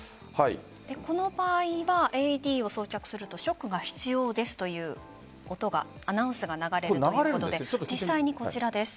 この場合はＡＥＤを装着するとショックが必要ですというアナウンスが流れるということで実際にこちらです。